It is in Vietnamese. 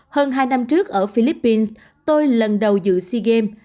hơn hai năm trước ở philippines tôi lần đầu dự sea games